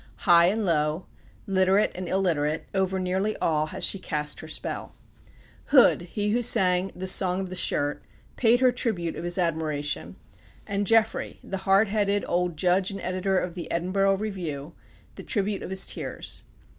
High and low, literate and illiterate, over nearly all has she cast her spell. Hood, he who sang the "Song of the Shirt," paid her the tribute of his admiration, and Jeffrey, the hard headed old judge and editor of The Edinburgh Review, the tribute of his tears.